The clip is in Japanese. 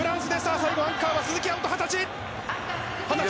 最後アンカーは鈴木碧斗、二十歳。